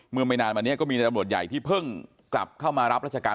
ไม่นานมานี้ก็มีในตำรวจใหญ่ที่เพิ่งกลับเข้ามารับราชการ